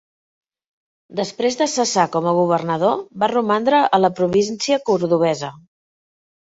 Després de cessar com a governador va romandre a la província cordovesa.